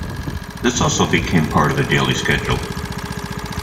This also became part of the daily schedule.